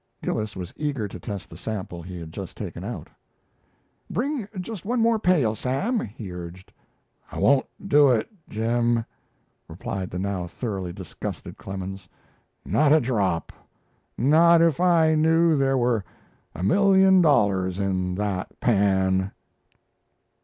Gillis was eager to test the sample he had just taken out. "Bring just one more pail, Sam," he urged. "I won't do it, Jim!" replied the now thoroughly disgusted Clemens. "Not a drop! Not if I knew there were a million dollars in that pan!"